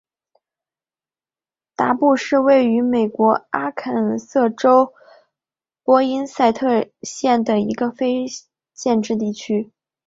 达布是位于美国阿肯色州波因塞特县的一个非建制地区。